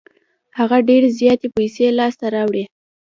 هغه ډېرې زياتې پیسې لاس ته راوړې.